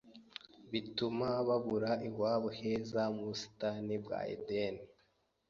bituma babura iwabo heza mu busitani bwa Edeni.